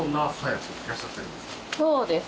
そうです。